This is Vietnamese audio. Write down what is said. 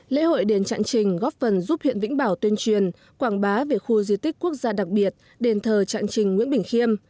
lễ hội đền trạng trình góp phần giúp huyện vĩnh bảo tuyên truyền quảng bá về khu di tích quốc gia đặc biệt đền thờ trạng trình nguyễn bình khiêm